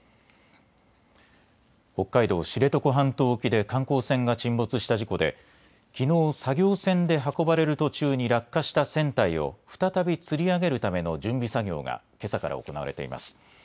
北海道・知床半島沖で観光船が沈没した事故できのう作業船で運ばれる途中に落下した船体を再びつり上げるための準備作業がけさから行われています。